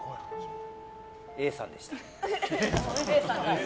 Ａさんでした。